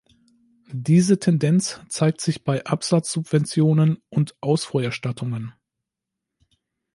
Diese Tendenz zeigt sich bei Absatzsubventionen und Ausfuhrerstattungen.